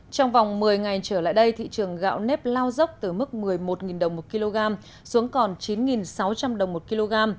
trong vòng một mươi ngày trở lại đây thị trường gạo nếp lao dốc từ mức một mươi một đồng một kg xuống còn chín sáu trăm linh đồng một kg